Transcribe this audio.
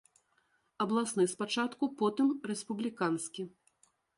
Абласны спачатку, потым рэспубліканскі.